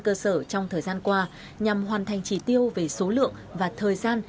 công an cơ sở trong thời gian qua nhằm hoàn thành chỉ tiêu về số lượng và thời gian